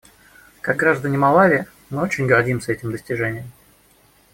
Как граждане Малави мы очень гордимся этим достижением.